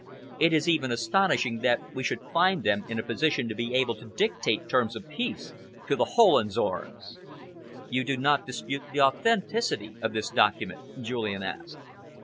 It is even astonishing that we should find them in a position to be able to dictate terms of peace to the Hohenzollerns." "You do not dispute the authenticity of the document?" Julian asked.